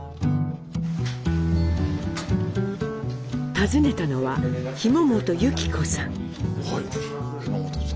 訪ねたのは紐本悠紀子さん。